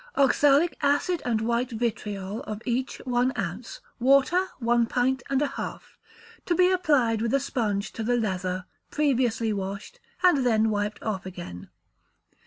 Oxalic acid and white vitriol, of each one ounce; water, one pint and a half. To be applied with a sponge to the leather, previously washed, and then wiped off again.